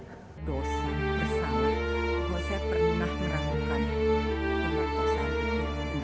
saya pernah merangkulkan saya pernah merangkulkan